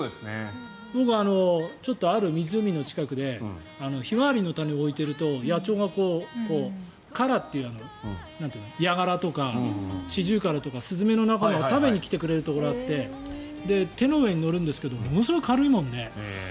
僕、ある湖の近くでヒマワリの種を置いてると野鳥がカラという、ヤガラとかシジュウカラとかスズメの仲間が食べに来てくれるところがあって手の上に乗るんですけどものすごく軽いもんね。